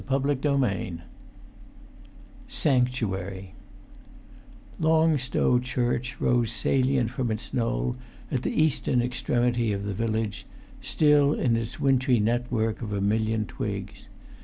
[Pg 397] XXXIII SANCTUARY Long Stow church rose salient from its knoll at the eastern extremity of the village, still in its wintry network of a million twigs.